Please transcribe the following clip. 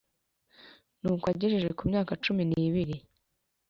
Nuko agejeje ku myaka cumi n ibiri